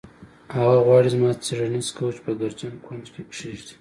هغه غواړي زما څیړنیز کوچ په ګردجن کونج کې کیږدي